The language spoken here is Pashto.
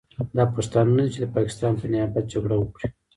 دا پښتانه نه دي چې د پاکستان په نیابت جګړه وکړي.